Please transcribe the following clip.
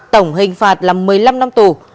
tổng hình phạt là một mươi năm năm tù